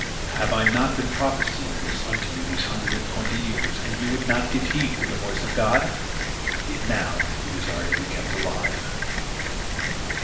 Have I not been prophesying this unto you these hundred and twenty years, and you would not give heed unto the voice of God? Yet now you desire to be kept alive!"